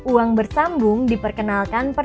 uang bersambung diperkenalkan